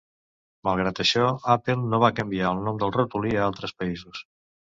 Malgrat això, Apple no va canviar el nom del ratolí a altres països.